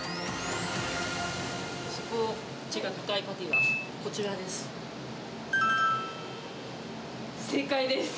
脂肪値が高いパティはこちら正解です。